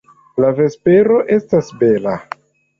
La vespero estas bela!